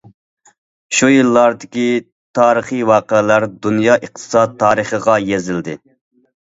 شۇ يىللاردىكى تارىخىي ۋەقەلەر دۇنيا ئىقتىساد تارىخىغا يېزىلدى.